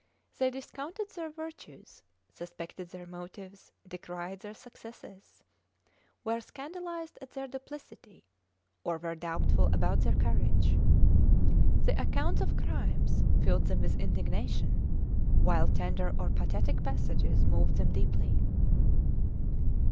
They discounted their virtues, suspected their motives, decried their successes; were scandalized at their duplicity or were doubtful about their courage. The accounts of crimes filled them with indignation, while tender or pathetic passages moved them deeply.